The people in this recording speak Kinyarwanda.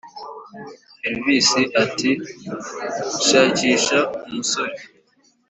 elvis ati: "shakisha 'umusore"